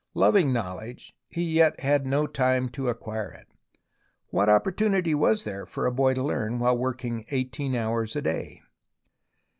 Loving knowledge, he yet had no time to acquire it. What opportunity was there for a boy to learn while working eighteen hours a day